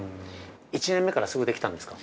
◆１年目からすぐできたんですか。